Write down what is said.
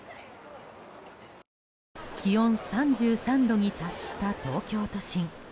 気温３３度に達した東京都心。